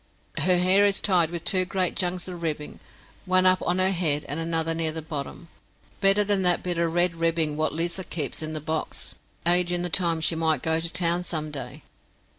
"Her hair is tied with two great junks of ribbing, one up on her head an' another near the bottom; better than that bit er red ribbing wot Lizer keeps in the box agin the time she might go to town some day."